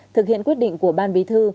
thực hiện quyết định của ban bí thư